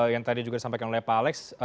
yang tadi juga disampaikan oleh pak alex